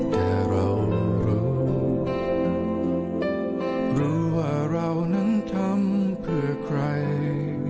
แต่เรารู้รู้ว่าเรานั้นทำเพื่อใคร